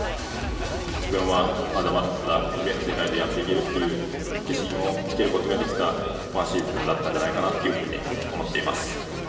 自分はまだまだＮＢＡの世界でやっていけるっていう自信をつけることができたワンシーズンだったんではないかなというふうに思っています。